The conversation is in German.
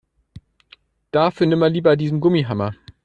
Dafür nimm mal lieber diesen Gummihammer.